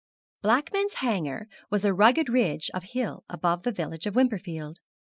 Blackman's Hanger was a rugged ridge of hill above the village of Wimperfield.